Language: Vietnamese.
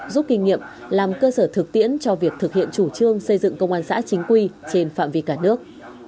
giúp kinh nghiệm làm cơ sở thực tiễn cho việc thực hiện chủ trương xây dựng công an xã chính quy trên phạm vi cả nước